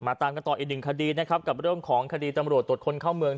ตามกันต่ออีกหนึ่งคดีนะครับกับเรื่องของคดีตำรวจตรวจคนเข้าเมือง